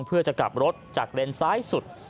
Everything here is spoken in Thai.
เพื่อจะกลับรถจากเลนซ้ายสุด